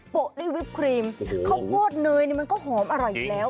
ด้วยวิปครีมข้าวโพดเนยนี่มันก็หอมอร่อยอยู่แล้ว